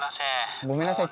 ごめんなさい。